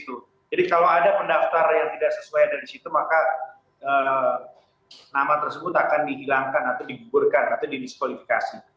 jadi kalau ada pendaftar yang tidak sesuai dari situ maka nama tersebut akan dihilangkan atau dibuburkan atau disekualifikasi